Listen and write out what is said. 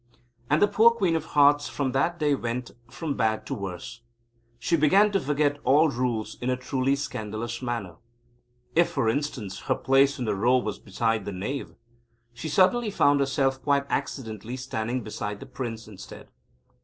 And the poor Queen of Hearts from that day went from bad to worse. She began to forget all rules in a truly scandalous manner. If, for instance, her place in the row was beside the Knave, she suddenly found herself quite accidentally standing beside the Prince instead.